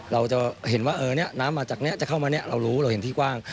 เราจะเห็นว่าน้ำมาจากนี้จะเข้ามาเนี่ยเรารู้เราเห็นที่กว้าง